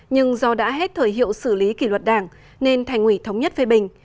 nhưng do đã hết thời hiệu xử lý kỷ luật đảng nên thành ủy thống nhất phê bình